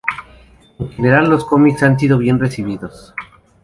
En general, los cómics han sido bien recibidos.